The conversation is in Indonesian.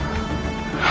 kau tidak tahu